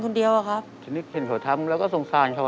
อเรนนี่ต้องมีวัคซีนตัวหนึ่งเพื่อที่จะช่วยดูแลพวกม้ามและก็ระบบในร่างกาย